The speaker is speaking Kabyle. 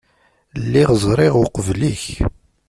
Lliɣ ẓriɣ uqbel-ik.